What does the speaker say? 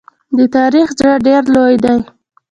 د تاریخ زړه ډېر لوی دی.